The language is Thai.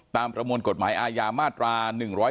ประมวลกฎหมายอาญามาตรา๑๑๒